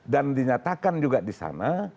dan dinyatakan juga disana